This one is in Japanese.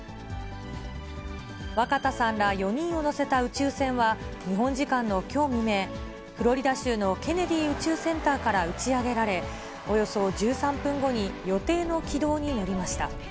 若田さんら４人を乗せた宇宙船は、日本時間のきょう未明、フロリダ州のケネディ宇宙センターから打ち上げられ、およそ１３分後に予定の軌道に乗りました。